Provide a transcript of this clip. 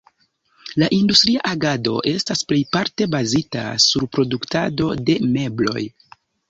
La industria agado estas plejparte bazita sur produktado de mebloj.